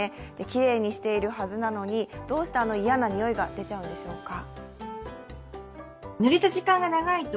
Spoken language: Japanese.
きれいにしているはずなのに、どうしてあの嫌な臭いが出ちゃうんでしょうか。